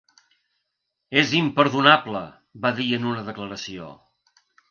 És imperdonable, va dir en una declaració.